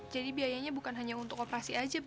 jadi biayanya bukan hanya untuk operasi aja bang